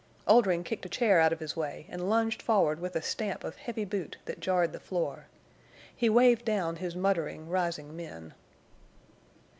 _" Oldring kicked a chair out of his way and lunged forward with a stamp of heavy boot that jarred the floor. He waved down his muttering, rising men.